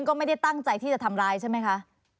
ก็ไม่ได้ตั้งใจที่จะทำร้ายใช่ไหมคะ